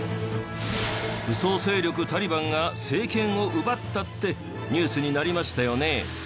武装勢力タリバンが政権を奪ったってニュースになりましたよね。